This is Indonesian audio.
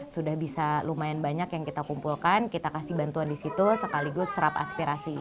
sudah bisa lumayan banyak yang kita kumpulkan kita kasih bantuan di situ sekaligus serap aspirasi